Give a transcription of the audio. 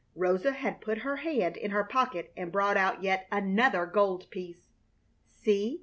Rosa had put her hand in her pocket and brought out yet another gold piece. "See!